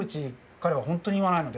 彼は本当に言わないので。